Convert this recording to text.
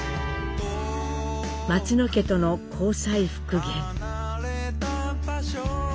「松野家との交際復元」。